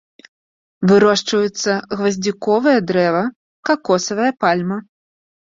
Вырошчваюцца гваздзіковае дрэва, какосавая пальма.